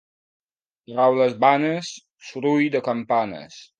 Paraules vanes, soroll de campanes.